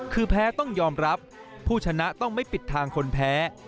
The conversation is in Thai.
คือแพ้ต้องยอมรับผู้ชนะต้องไม่ปิดทางคนแพ้